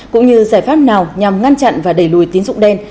cũng như giải pháp nào nhằm ngăn chặn và đẩy lùi tín dụng đen